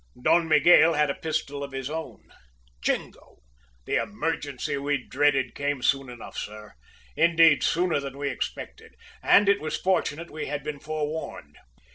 Don Miguel had a pistol of his own. "Jingo! The emergency we dreaded came soon enough, sir; indeed, sooner than we expected, and it was fortunate we had been forewarned!